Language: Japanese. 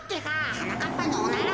はなかっぱのおなら？